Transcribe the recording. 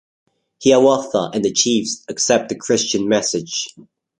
Hiawatha and the chiefs accept the Christian message.